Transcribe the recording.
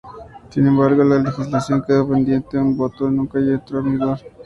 Sin embargo, la legislación quedó pendiente de un voto y nunca entró en vigor.